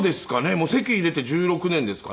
もう籍入れて１６年ですかね。